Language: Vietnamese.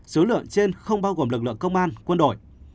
số lợn trên không bao gồm lực lượng công an quân đội